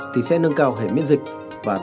thì sẽ nâng cao sức khỏe tăng sức đề kháng